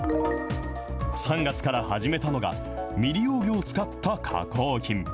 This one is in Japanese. ３月から始めたのが、未利用魚を使った加工品。